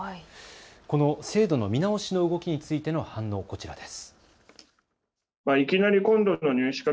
この制度の見直しの動きについての反応、こちらです。